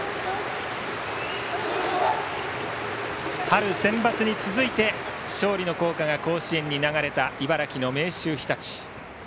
春センバツに続いて勝利の校歌が甲子園に流れた茨城の明秀日立。